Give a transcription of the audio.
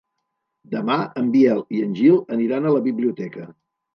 Demà en Biel i en Gil aniran a la biblioteca.